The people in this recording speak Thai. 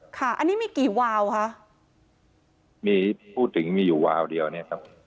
ค่ะอันนี้มีกี่วาวคะมีพูดถึงมีอยู่วาวเดียวเนี่ยครับ